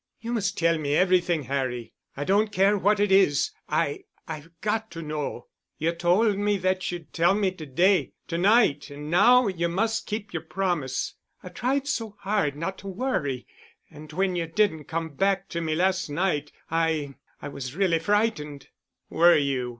"You must tell me everything, Harry. I don't care what it is—I—I've got to know. You told me that you'd tell me to day—to night, and now you must keep your promise. I've tried so hard not to worry and—and when you didn't come back to me last night, I—I was really frightened——" "Were you?"